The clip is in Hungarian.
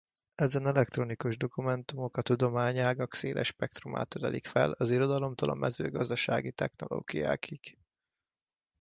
Ezen elektronikus dokumentumok a tudományágak széles spektrumát ölelik fel az irodalomtól a mezőgazdasági technológiákig.